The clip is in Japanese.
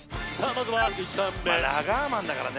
まずは１ターン目ラガーマンだからね